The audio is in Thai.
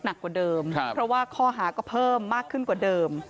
หนักกว่าเดิมเพราะว่าข้อหาก็เพิ่มมากขึ้นกว่าเดิม